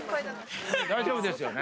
大丈夫ですよね？